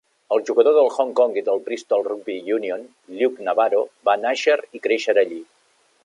El jugador del Hong Kong i del Bristol Rugby Union, Luke Nabaro, va nàixer i créixer allí.